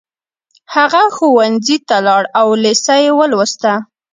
هغه ښوونځي ته لاړ او لېسه يې ولوسته